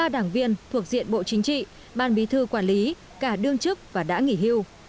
ba đảng viên thuộc diện bộ chính trị ban bí thư quản lý cả đương chức và đã nghỉ hưu